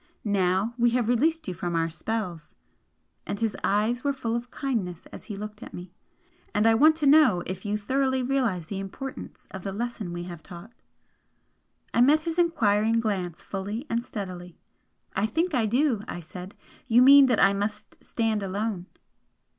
Now we have released you from our spells!" and his eyes were full of kindness as he looked at me "and I want to know if you thoroughly realise the importance of the lesson we have taught?" I met his enquiring glance fully and steadily. "I think I do," I said "You mean that I must stand alone?"